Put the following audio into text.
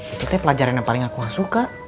itu teh pelajaran yang paling aku suka